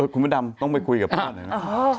คุณพระดำต้องไปคุยกับป้าหน่อยนะ